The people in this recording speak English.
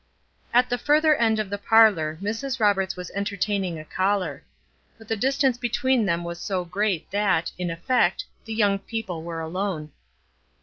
At the further end of the parlor Mrs. Roberts was entertaining a caller; but the distance between them was so great that, in effect, the young people were alone.